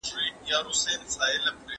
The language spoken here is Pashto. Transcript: ايا يوازې مادي سرمايه اقتصادي وده راولي؟